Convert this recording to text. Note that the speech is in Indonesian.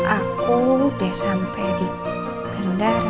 aku udah sampai di bandara